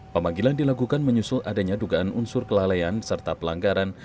pemanggilan dilakukan menyusul adanya dugaan unsur kelalaian serta pelanggaran